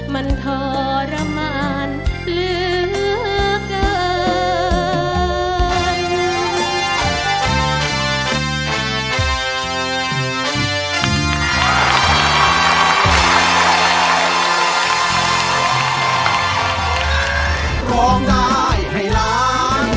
มันทรมานเหลือเกิน